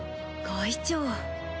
会長。